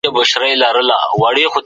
د یو ځل مرګ لپاره ټول عمر مه ډارېږه.